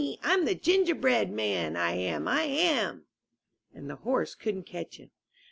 Tm the Gingerbread Man, I am! I am!" And the horse couldn't catch him.